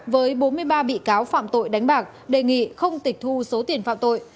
với bốn mươi ba bị cáo phạm tội đánh bạc đề nghị không tịch thu số tiền phạm tội